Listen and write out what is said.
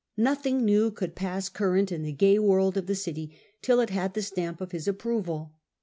Nothing new could pass current in the gay world of the city till it had the stamp of his approval.